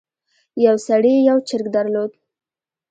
یو سړي یو چرګ درلود.